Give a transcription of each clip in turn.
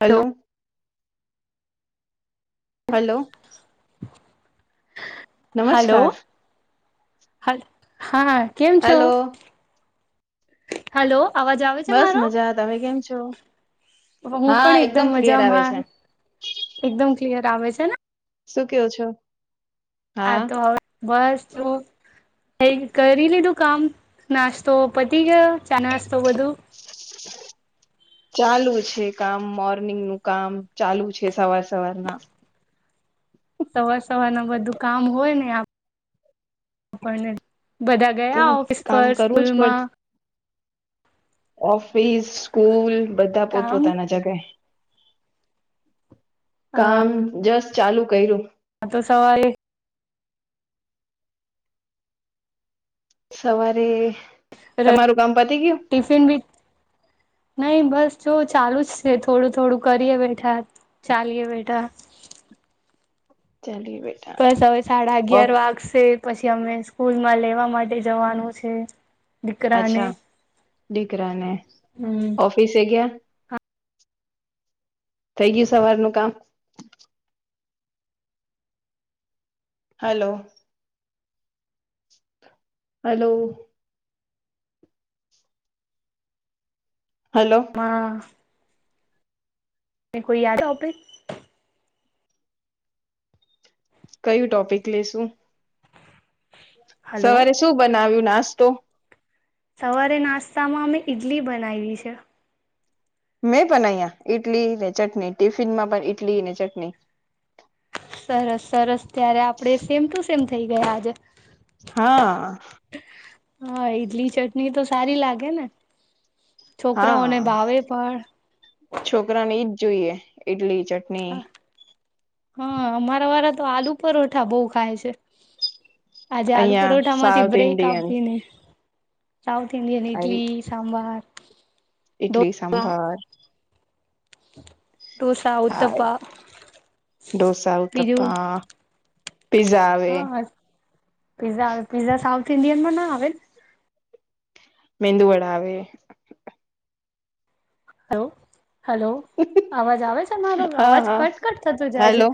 Hello hello hello નમસ્કાર હા કેમ છો હલો હેલો અવાજ આવે છે બસ મારો મજા તમે કેમ છો હું હા પણ એકદમ ક્લિયર આવે મજામાં છે એકદમ ક્લિયર આવે છે ને શું કેવ છો હા તો હવે બસ જો એ કરી લીધું કામ નાસ્તો પતી ગયો ચા નાસ્તો બધું ચાલુ છે કામ મોર્નિંગ નું કામ ચાલુ છે સવાર સવારના સવાર સવારના બધું કામ હોય ને આપણને બધા તો ગયા ઓફિસ કામ પર કરવું જ સ્કૂલમાં પડશે ઓફિસ સ્કૂલ બધા કામ પોતપોતાના જગાએ કામ જસ્ટ ચાલુ કર્યું. હ તો સવારે સવારે તમારું કામ પતી ગયું? ટિફિન બી નહી બસ જો ચાલુ જ છે થોડું થોડું કરીએ બેઠા ચાલીયે બેટા ચાલ હવે બસ હવે સાડા અગિયાર વાગશે પછી અમે સ્કૂલમાં લેવા માટે જવાનું છે. દીકરાને અચ્છા દીકરા ને હમ ઓફિસે ગયા? થઈ ગયું સવારનું કામ? હલો હલો હલો હા કોઈ યાદ ટોપિક કયું ટોપિક લેશું? હલો સવારે શું બનાવ્યું નાસ્તો? સવારે નાસ્તામાં અમે ઈડલી બનાવી છે. મેં બનાવ્યા ઈટલીને ચટણી ટિફિન માં પણ ઈટલી ને ચટણી. સરસ સરસ ત્યારે આપડે સેમ ટુ સેમ થઈ ગયા આજે. હા. હા ઈડલી ચટણી તો સારી લાગે ને હા છોકરાઓને ભાવે પણ છોકરાને ઈજ જોઈએ ઈડલી ચટણી હા અમારા વાળા તો આલુ પરોઠા બહુ ખાય છે. આજે આલુ અહિયાં પરોઠા માંથી સાઉથ બ્રેક ઇન્ડિયન આપવીને સાઉથ ઇન્ડિયન ઇડલી સંભાર ઇડલી સાંભર ઢોંસા, હાય ઉત્તપમ ઢોસા બીજું ઉત્તપા પીઝા આવે. પીઝ આવે પીઝા સાઉથ ઇન્ડિયનમાં ના આવેને મેંદુ વડા આવે. હ હલો અવાજ આવે છે મારો? હા અવાજ હા કટ કટ થતો જાય છે? હેલો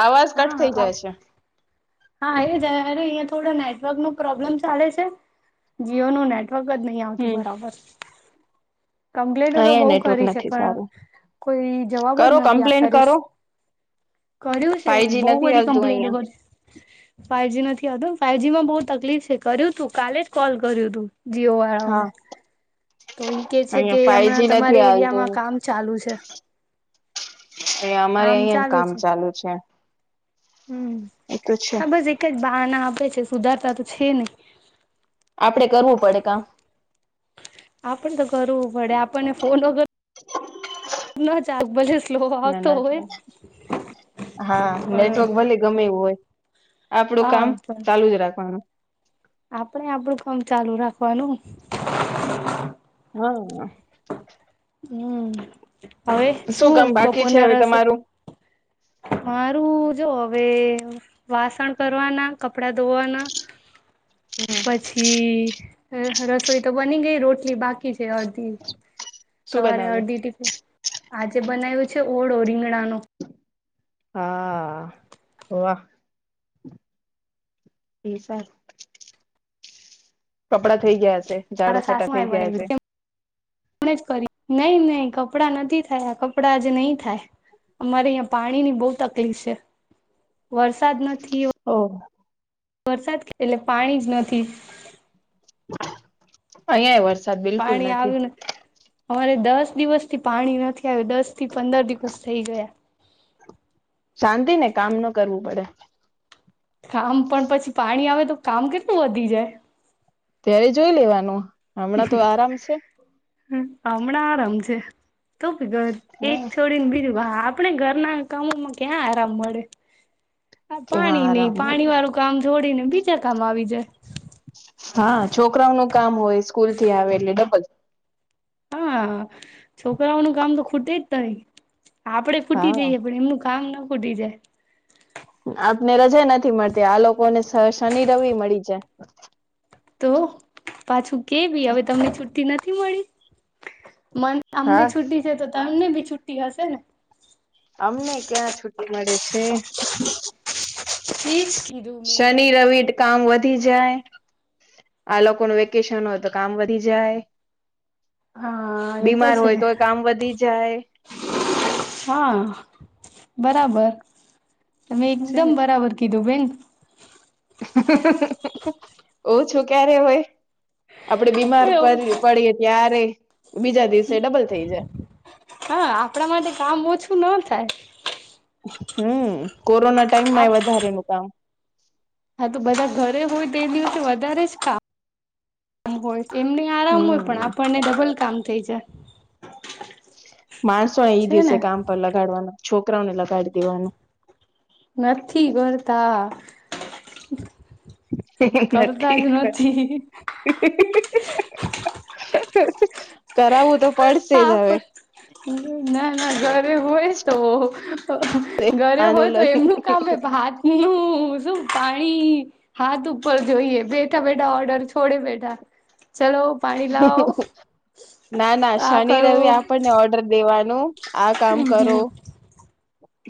આવાજ કટ થઈ હા જાય છે. હા એ જય અહીયાં થોડા નેટવર્ક ન પ્રોબ્લેમ ચાલે છે જીઓ નું નેટ વક જ નહી આવતું હમ બરાબર કમ્પ્લેન તો અહિયાં બવ નેટવર્ક કરી છે નથી પણ સારું કોઈ જવાબ જ કરો નથી કમ્પ્લેન આપતા કરો કર્યું છે ફાઈવજી બઉ નથી બધી હાલતું કમ્પ્લેનો અહિયાં કર ફાઈવજી નથી આવતુ ફાઈવજી માં બહુ તકલીફ છે કર્યું તું કાલે જ કોલ કર્યું તુ જીઓ હા વાળાઓને તો ઈ કે છે કે અહિયાં હમણાં ફાઈવજી નથી તમારે હાલતું એરિયામાં કામ ચાલુ છે. એ અમારે કામ અહિયાં કામ છે ચાલુ છે. હમ એ તો છે હા બસ એક જ બહાના આપે છે સુધારતા તો છે નહી. આપડે કરવું પડે કામ આપણ તો કરવું પડે આપણને ફોન વગર [inaudible] ન ચાલે સ્લો ના આવતો હોય. ના હા પણ નેટવર્ક ભલે ગમે એવું હોય આપડું હા કામ ચાલુ જ રાખવાનું. આપડ આપડું કામ ચાલુ રાખવાનું. હા. હમ હવે શું કામ બાકી છે બપોરના હવે રસ તમારું મારું જો હવે વાસણ કરવાના કપડા, ધોવાના પછી રસોઈ તો બની ગઈ રોટલી બાકી છે અડધી શું સવારે બનાવ્યું અડધી આજે બનાવ્યું છે ઓળો રીંગણાનો હા વાહ. [inaudible] કપડાં થઈ ગયા છે ઝાડુ મારા ફટા સાસુએ થઈ ગયા છે. બનાવ્યું જ કરી નહી નહીં કપડાં નથી થયા કપડા આજે નહી થાય. અમારે અહીંયા પાણીની બહુ તકલીફ છે વરસાદ નથી. ઓ વરસાદ એટલે પાણી જ નથી. અહીંયા પણ વરસાદ બિલકુલ પાણી નથી. આવ્યું અમારે દસ દિવસથી પાણી નથી આવ્યું દસ થી પંદર દિવસ થઈ ગયા. શાંતિ ને કામ ન કરવું પડે. કામ પણ પછી પાણી આવે તો કામ કેટલું વધી જાય. ત્યારે જોઈ લેવાનું હમણાં તો આરામ છે. હમણાં આરામ છે તો ભી એક હા છોડી ને બીજું આપણે ઘરના કામોમાં ક્યાં આરામ મળે કે હા પાણી આરામ નહી મળે પાણી વાળું. કામ છોડી ને બીજા કામ આવી જાય. હા છોકરાઓનું કામ હોય સ્કૂલથી આવે એટલે ડબલ હા છોકરાઓનું કામ તો ખૂટે જ નઈ આપડે ફૂટી હા જઈએ પણ એમનું કામ ના ફૂટી જાય. આપને રજા નથી મળતી આ લોકોને શ શનિ રવિ મળી જાય. તો પાછું કેવી હવે તમને છુટ્ટી નથી મળી મન અમને હા છુી છે તો તમને બી છુ્ટી હશે ને અમને ક્યાં છુી મળે છે. [inaudible] શનિ બી રવિ- -કામ વધી જાય આ લોકોનું વેકેશન હોય તો કામ વધી જાય- હા એ તો બીમાર છે હોય તોય કામ વધી જાય હા બરાબર તમે છે એકદમ ને બરાબર કીધું બેન ઓ છું ક્યારે હોય [inaudible] આપડે બીમાર એવું પડીએ ત્યારે બીજા દિવસે ડબલ થઈ જાય હા આપણા માટે કામ ઓછું ન થાય હમ કોરોના ટાઈમમાંય આપ એ વધારે નું કામ હા તો બધાં ઘરે હોય તે દિવસે વધારે જ કામ કામ હોય એમને આરામ હોય પણ હમ આપણને ડબલ કામ થઈ જાય. માણસો એઈ છે દિવસે ને કામ પર લગાડવાના છોકરાઓને લગાડી દેવાનું નથી કરતા કરતા જ નથી કરતી. નથી. [inaudible] કરાવવું તો પડશે જ હા હવે પર ના ના ઘરે હોય તો ઘરે હોય આંદોલન. તો એમનું કમે ભાતનું શું પાણી હાથ ઉપર જોઈએ બેઠા બેઠા ઓર્ડર છોડે બેઠા ચલો પાણી લાઓ ના ના શનિ રવિ આપણને ઓર્ડર દેવાનું આ કામ હમ કરો [inaudible]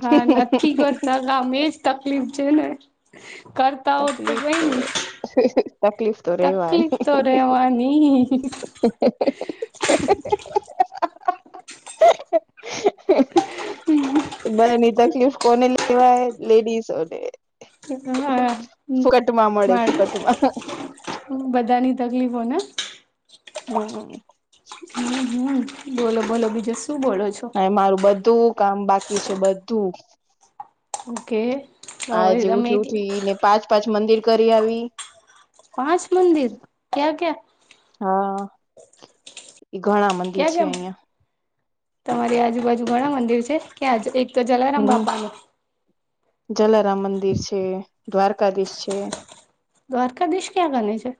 હા નથી કરતા એ જ તકલીફ છે ને કર તકલીફ તો તકલીફ તો તકલીફ રેવાની. તો રહેવાનીજ [inaudible] [unintelligible] તકલીફ કોને લેવાય લેડીસોને [inaudible] ફોક્ટ મા મળે ફોક્ટ મા હ બધાની તકલીફોને હમ્મ હમ્મ હમ્મ હમ્મ બોલો બોલો બીજો શું બોલો છો? અને મારું બધું કામ બાકી છે બધું ઓકે આજે હવે જેવું તમે ઉઠી ઉઠી ને પાંચ પાંચ મંદિર કરી આવી પાંચ મંદિર ક્યાં ક્યાં? હા ઘણા મંદિર ક્યાં છે ક્યાં અહિયાં તમારી આજુબાજુ ઘણા મંદિર છે ક્યાં એક તો જલારામ હમ બાપાનું જલારામ મંદિર છે, દ્વારકાધીશ છે. દ્વારકાધીશ ક્યાં ગને છે.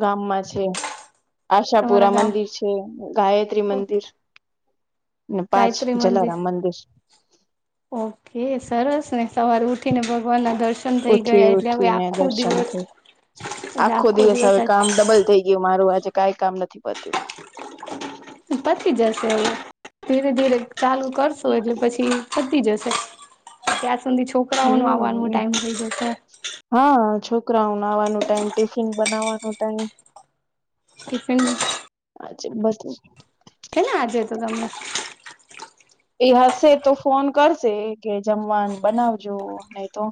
ગામમાં છે તમારા આશાપુરા ગામ મંદિર છે ગાયત્રી ઓકે મંદિર ને પાંચ જલારામ મંદિર ઓકે સરસ ને સવાર ઉઠી ને ભગવાન ના દર્શન થઈ ઉઠી ગયા એટલે હવે ઉઠીને આખો દર્શન દિવસ થય આખો દિવસ હવે કામ ડબલ થઈ ગ મારું આજે કઈ કામ નથી પતયુ પછી જશે હવે ધીરે ધીરે ચાલુ કરશો એટલે પછી પાતી જશે ત્યાં સુધી છોકરાઓ ન આવવાનો હમ ટાઈમ થઇ જશે હા છોકરાઓને આવાનું ટાઈમ ટિફિન બનાવવાનું ટાઈમ ટિફિન [unintelligible] બધું [unintelligible] આજે તો તમને એ હશે તો ફોન કરશે કે જમવાનું બનાવજો નહી તો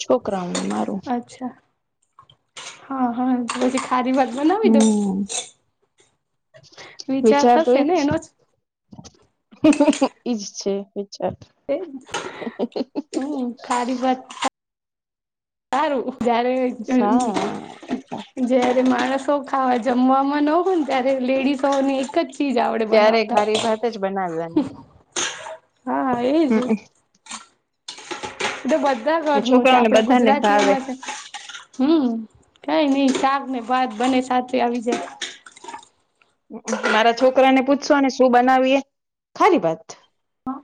છોકરાઓ અને મારું અચ્છા હા હા પછી ખારી ભાત બનાવી દો હમ વિચાર તો થશે એજ ને છે એનો જ એઈજ છે વિચાર એ હમ્મ ખરી ભાત સારું જારે સા જયારે માણસો ખાવા જમવામાં ન હોય ને ત્યારે લેડીસોને એક જ ઈજ આવડે ત્યારે બનાવતા ખારી ભાત જ બનાવવાની હા હા એજ હમ એ તો બધા ઘરનું છે છોકરાઓને આપડા બધાને ભાવે ગુજરાતીઓમાં છે હમ્મ કઈ નઈ શાક ને ભાત બને સાથે આવી જાય મારા છોકરા ને પૂછશોને શું બનાવીએ ખારી ભાત.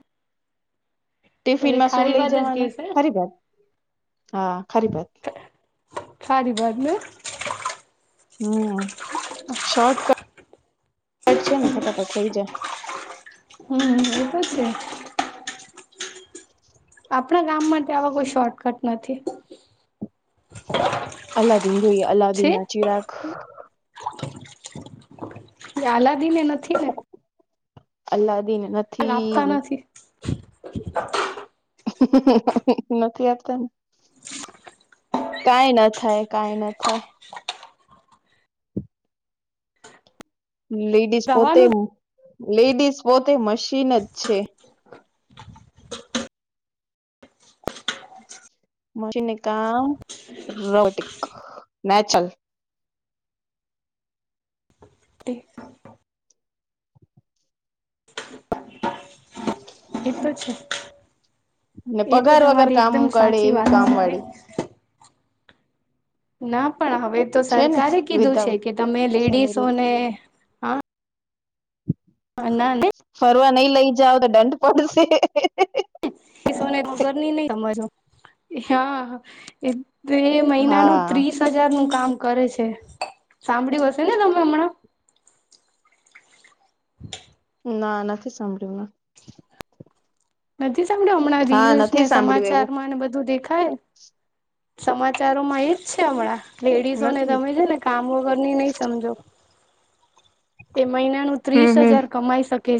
[inaudible] ટિફિન માં શું ખારી લઇ ભાત જ જવાનું કેશે ખરી ભત હા ખરી બાત સારી વાત ને હમ્મ શોર્ટકટટ છે ને ફટાફટ થઇ જાય હા એતો છેં આપણા ગામમાં માટે આવા કોઈ શોર્ટકટ નથી અલ્લાદીન જોઈ છે અલ્લાદીન ના ચિરાગ અલ્લાદીન અલ્લાદીન નથી આપતા ને નથી. નથી આપતા ને. કાઈ ના થાય કાઈ ના થાય. લેડીઝ પોતે રવાનું લેડીઝ પોતે મશીન જ છે. મશીન કામ રોટિક [unintelligible] તે [inaudible] એ તો છે ને એ તો પગાર વગર તમારી કામ એકદમ કાઢે સાચી એવી વાત કામ છે. હવે વાળી ના પણ હવે તો છે ને સરકારે કીધું છે વિધાઉટ કે તમે સેલરી લેડીસોને હા [unintelligible] ફરવા નહી લઈ જાવ તો દંડ પડશે. એ સોને તો ઘરની નહી સમજવું હા. તો એ મહિનાનું હા ત્રીસ હજાર નું કામ કરે છે સાંભળ્યું હસે ને તમે હમણાં. [inaudible] ના નથી સાંભળ્યું મે. નથી સાંભળ્યું હમણાં હા રીલ્સ ને નથી સાંભળ્યું એવું સમાચારમાં બધું દેખાય સમાચારોમાં એજ છે હમણાં લેડીસો ને નથી તમે છે ને કામ વગરની નહી સમજો એ મહિનાનું હમ ત્રીસ હમ હજાર કમાઈ શકે છે,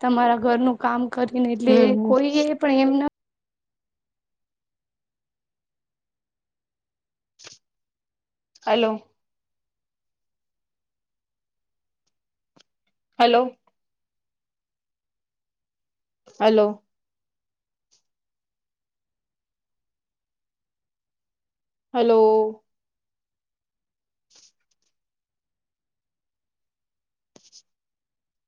તમારા ઘરનું કામ કરીને એટલે હમ હમ કોઈ એ પણ એમ ના હલો. હલો. હલો. હલો.